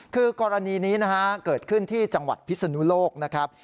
คือกรณีนี้นะฮะเกิดขึ้นที่จังหวัดพิศนุโลกนะครับ